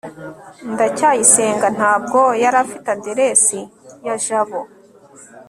ndacyayisenga ntabwo yari afite aderesi ya jabo